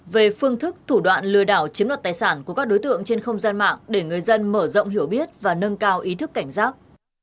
về phương thức thủ đoạn lừa đảo chiếm đoạt tài sản của các đối tượng trên không gian mạng để người dân mở rộng hiểu biết và nâng cao ý thức cảnh giác